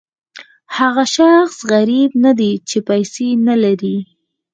هغه شخص غریب نه دی چې پیسې نه لري.